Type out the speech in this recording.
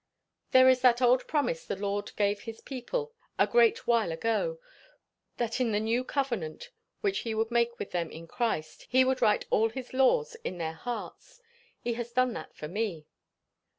"There is an old promise the Lord gave his people a great while ago; that in the new covenant which he would make with them in Christ, he would write all his laws in their hearts. He has done that for me."